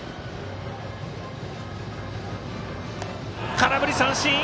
空振り三振！